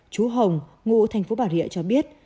chú hồng ngụ thành phố bảo rịa cho biết